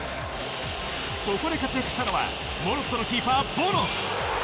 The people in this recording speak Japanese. ここで活躍したのはモロッコのキーパー、ボノ。